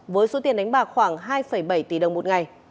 với số tiền đánh bạc khoảng hai bảy tỷ đồng một ngày